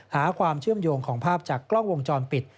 หาความเชื่อมโยงของภาพจากกล้องวงจรปิด